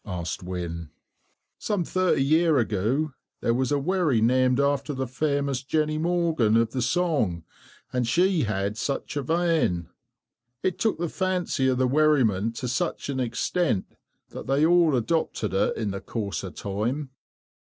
asked Wynne. "Some thirty years ago there was a wherry named after the famous Jenny Morgan of the song, and she had such a vane. It took the fancy of the wherrymen to such an extent that they all adopted it in the course of time."